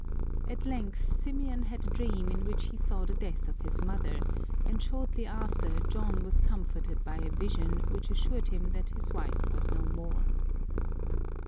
At length Symeon had a dream in which he saw the death of his mother, and shortly after John was comforted by a vision which assured him that his wife was no more.